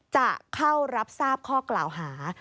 จะเข้ารับทราบข้อกล่าวหา